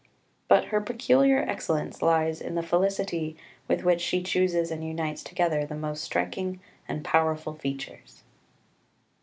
But her peculiar excellence lies in the felicity with which she chooses and unites together the most striking and powerful features.